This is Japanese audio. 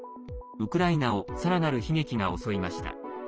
ウクライナをさらなる悲劇が襲いました。